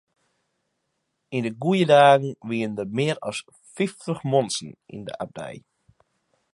Yn de goede dagen wiene der mear as fyftich muontsen yn de abdij.